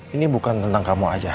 ini bukan tentang kamu aja